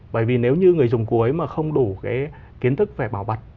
bởi vì nếu như người dùng cuối mà không đủ cái kiến thức về bảo mật